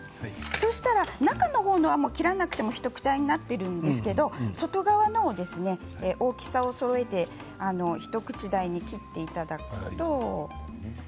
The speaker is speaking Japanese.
そうしたら中の方のはもう切らなくても一口大になっているんですが外側の方ですね大きさをそろえて一口大に切っていただくと。